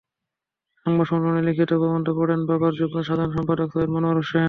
সংবাদ সম্মেলনে লিখিত প্রবন্ধ পড়েন পবার যুগ্ম সাধারণ সম্পাদক সৈয়দ মনোয়ার হোসেন।